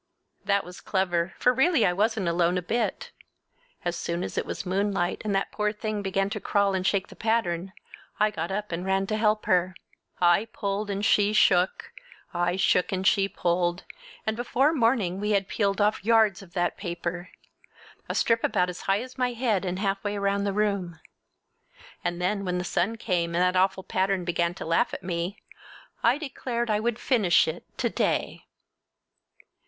That was clever, for really I wasn't alone a bit! As soon as it was moonlight, and that poor thing began to crawl and shake the pattern, I got up and ran to help her. I pulled and she shook, I shook and she pulled, and before morning we had peeled off yards of that paper. A strip about as high as my head and half around the room. And then when the sun came and that awful pattern began to laugh at me I declared I would finish it to day!